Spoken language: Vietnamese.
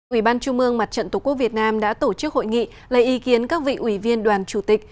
ủy ban trung mương mặt trận tổ quốc việt nam đã tổ chức hội nghị lấy ý kiến các vị ủy viên đoàn chủ tịch